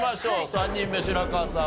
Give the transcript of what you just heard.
３人目白河さん